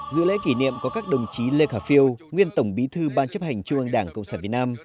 dự lễ kỷ niệm có các đồng chí lê khả phiêu nguyên tổng bí thư ban chấp hành trung ương đảng cộng sản việt nam